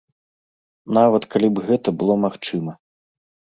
Нават калі б гэта было магчыма.